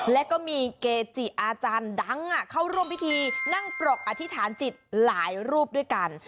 และก็มีเกจิอาจารย์ดังเข้าร่วมพิธีนั่งปรกอธิษฐานจิตหลายรูปด้วยกัน